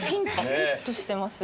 ピッとしてますね。